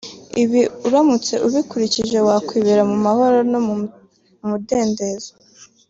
Ibi uramutse ubikurikije wakwibera mu mahoro no mu mudendezo